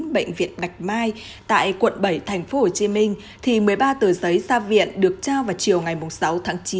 bệnh viện bạch mai tại quận bảy tp hcm thì một mươi ba tờ giấy ra viện được trao vào chiều ngày sáu tháng chín